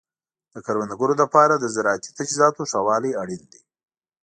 د کروندګرو لپاره د زراعتي تجهیزاتو ښه والی اړین دی.